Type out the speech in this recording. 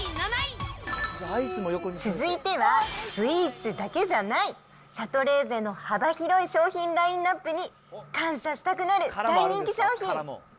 続いては、スイーツだけじゃない、シャトレーゼの幅広い商品ラインナップに感謝したくなる大人気商品。